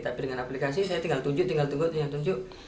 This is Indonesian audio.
tapi dengan aplikasi saya tinggal tunjuk tinggal tunggu tinggal tunjuk